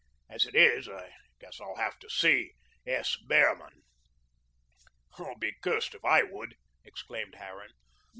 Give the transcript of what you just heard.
As it is, I guess I'll have to see S. Behrman." "I'll be cursed if I would!" exclaimed Harran.